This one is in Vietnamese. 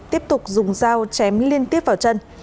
tiếp tục dùng dao chém liên tiếp vào chân